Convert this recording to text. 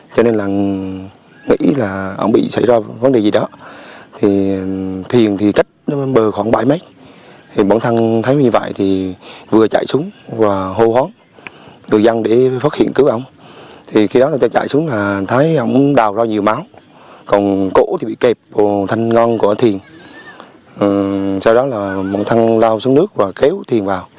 còn cổ thì bị kẹp bồ thanh ngon của thuyền sau đó là một thăng lao xuống nước và kéo thuyền vào